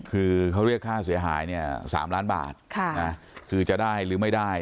คือเขาเรียกค่าเสียหายเนี่ย๓ล้านบาทคือจะได้หรือไม่ได้